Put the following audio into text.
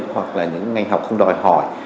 hoặc là những ngành học không đòi hỏi